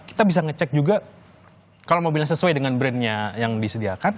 kita bisa ngecek juga kalau mobilnya sesuai dengan brandnya yang disediakan